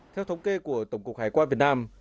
theo thống kê của tổng cục hải quan việt nam